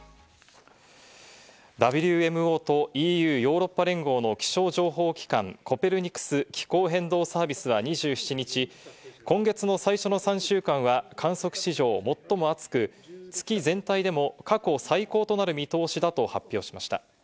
ＷＭＯとＥＵ＝ヨーロッパ連合の気象情報機関、コペルニクス気候変動サービスは２７日、今月の最初の３週間は観測史上最も暑く、月全体でも過去最高となる見通しだと発表しました。